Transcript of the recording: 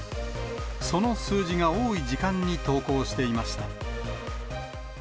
その数字が多い時間に投稿していました。